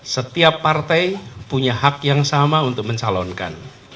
setiap partai punya hak yang sama untuk mencalonkan